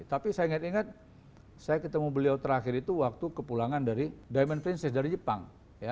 tapi saya ingat ingat saya ketemu beliau terakhir itu waktu kepulangan dari diamond princess dari jepang